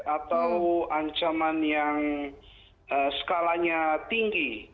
atau ancaman yang skalanya tinggi